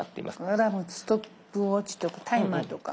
アラームストップウォッチとタイマーとか。